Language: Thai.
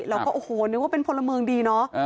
แล้วก็โอ้โหนึกว่าเป็นพลเมืองดีเนาะ